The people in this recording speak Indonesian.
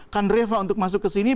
kandreva untuk masuk ke sini